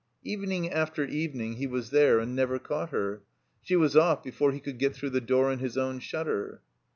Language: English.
Evening after evening he was there and never caught her. She was off before he could get through the door in his own shutter.